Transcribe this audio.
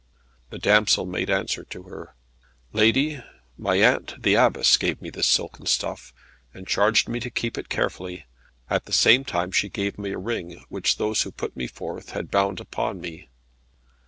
The damsel made answer to her: "Lady, my aunt, the Abbess, gave me this silken stuff, and charged me to keep it carefully. At the same time she gave me a ring, which those who put me forth, had bound upon me."